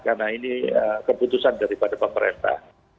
karena ini keputusan daripada pemerintah